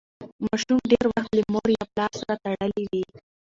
ماشوم ډېر وخت له مور یا پلار سره تړلی وي.